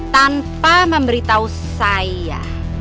tanpa memberi tau saya